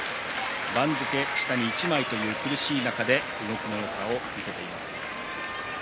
番付下に１枚という苦しい中で動きのよさを見せています。